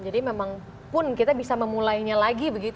jadi memang pun kita bisa memulainya lagi